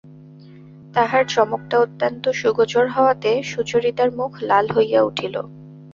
তাহার চমকটা অত্যন্ত সুগোচর হওয়াতে সুচরিতার মুখ লাল হইয়া উঠিল।